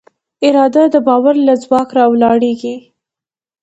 اراده د باور له ځواک راولاړېږي.